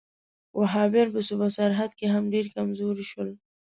وهابیان په صوبه سرحد کې هم ډېر کمزوري شول.